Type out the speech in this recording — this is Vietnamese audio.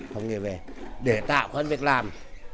học nghề về để tạo công an việc làm